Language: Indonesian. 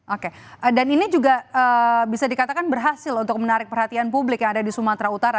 oke dan ini juga bisa dikatakan berhasil untuk menarik perhatian publik yang ada di sumatera utara